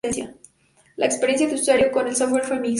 La experiencia de usuario con el software fue mixta.